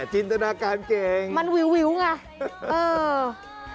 จินตนาการเก่งมันวิวไงเออ